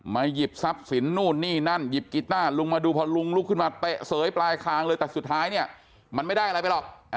หยิบทรัพย์สินนู่นนี่นั่นหยิบกีต้าลุงมาดูพอลุงลุกขึ้นมาเตะเสยปลายคางเลยแต่สุดท้ายเนี่ยมันไม่ได้อะไรไปหรอก